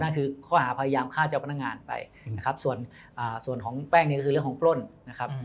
นั่นคือข้อหาพยายามฆ่าเจ้าพนักงานไปนะครับส่วนของแป้งเนี่ยก็คือเรื่องของปล้นนะครับ